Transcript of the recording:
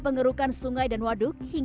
jangan lupa girikan travelling